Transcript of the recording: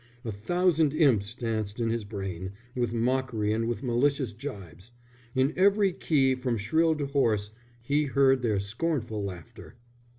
A thousand imps danced in his brain, with mockery and with malicious gibes: in every key from shrill to hoarse, he heard their scornful laughter.